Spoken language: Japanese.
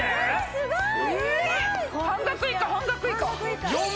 すごーい！